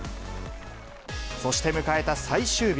そして迎えた最終日。